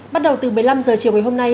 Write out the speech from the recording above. bắt đầu từ một mươi năm h chiều ngày hôm nay